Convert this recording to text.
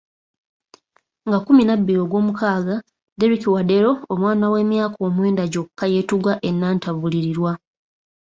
Nga kumi na bbiri ogw'omukaaga, Derrick Wadero omwana w'emyaka omwenda gyokka yeetuga e Nantabulirirwa.